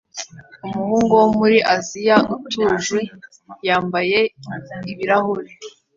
Umuhungu wo muri Aziya utuje yambaye ibirahure